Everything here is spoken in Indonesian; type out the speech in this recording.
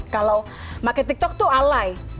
kalau pakai tiktok tuh alay